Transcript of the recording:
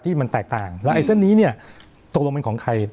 ที่มันแตกต่างแล้วไอ้เส้นนี้เนี่ยตกลงเป็นของใคร